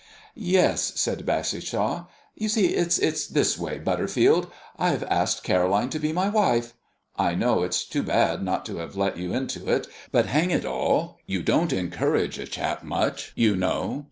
"Yes," said Bassishaw. "You see it's this way, Butterfield, I've asked Caroline to be my wife. I know it's too bad not to have let you into it, but, hang it all, you don't encourage a chap much, you know.